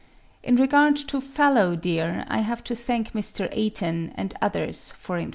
In regard to Fallow deer, I have to thank Mr. Eyton and others for information.